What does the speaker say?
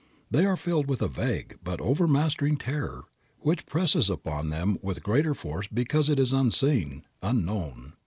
They are filled with a vague, but overmastering terror which presses upon them with greater force because it is unseen, unknown.